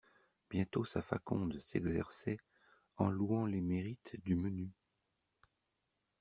Bientôt sa faconde s'exerçait en louant les mérites du menu.